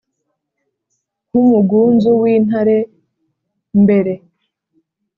Nk umugunzu w intare mbere